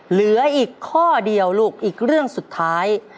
เหลืออีกข้อเดียวลูกอีกเรื่องสุดท้าย